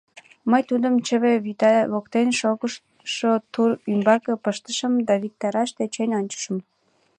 Мый тудым чыве вӱта воктен шогышо тур ӱмбаке пыштышым да виктараш тӧчен ончышым.